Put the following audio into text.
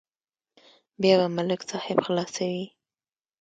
بیا به ملک صاحب خلاصوي.